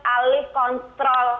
mengambil alih kontrol